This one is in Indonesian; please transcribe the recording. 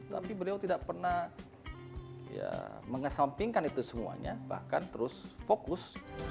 tapi beliau tidak pernah mengesampingkan itu semuanya bahkan terus fokus